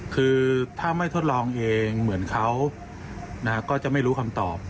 คือถ้าไม่ทดลองเองเหมือนเขาก็จะไม่รู้คำตอบ